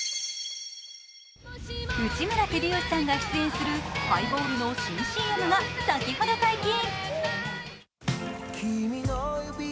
内村光良さんが出演するハイボールの新ＣＭが先ほど解禁。